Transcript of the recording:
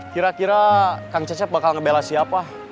kira kira kang cecep bakal ngebela siapa